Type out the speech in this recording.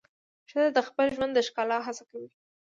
ښځه د خپل ژوند د ښکلا هڅه کوي.